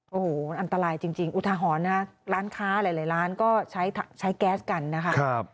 โอ้โหอันตรายจริงอุทหรณ์นะคะร้านค้าหลายร้านก็ใช้แก๊สกันนะคะ